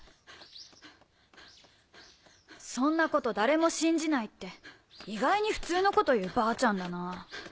「そんなこと誰も信じない」って意外に普通のこと言うばあちゃんだな。